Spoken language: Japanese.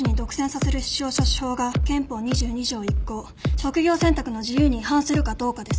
職業選択の自由に違反するかどうかです。